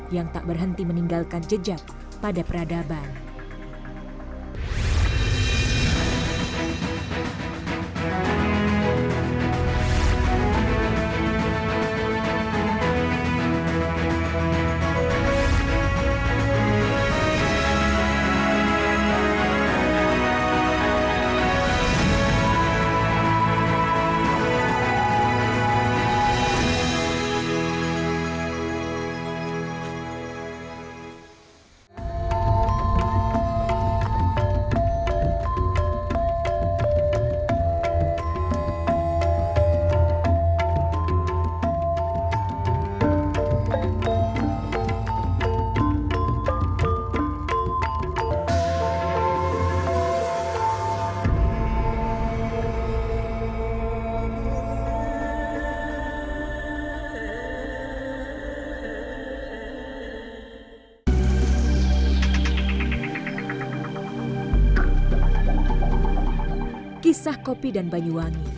yang tak berhenti meninggalkan jejak pada peradaban